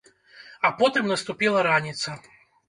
А потым наступіла раніца.